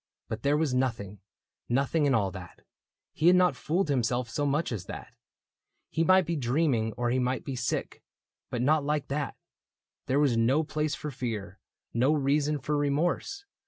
But there was nothing, nothing, in all that : He had not fooled himself so much as that ; 134 THE BOOK OF ANNANDALE He might be dreaming or he might be sick, But not like that. There was no place for fear. No reason for remorse.